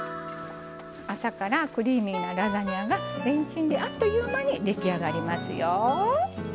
朝からクリーミーなラザニアがレンチンであっという間に出来上がりますよ。